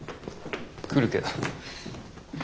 来るけど。